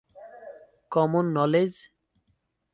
Common knowledge?